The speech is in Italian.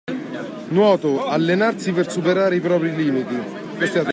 Nuoto, allenarsi per superare i propri limiti.